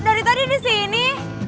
dari tadi disini